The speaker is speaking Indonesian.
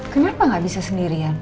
kenapa gak bisa sendirian